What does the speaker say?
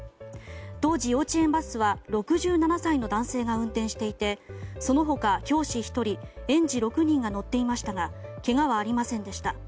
当時、幼稚園バスは６７歳の男性が運転していてその他、教師１人園児６人が乗っていましたがけがはありませんでした。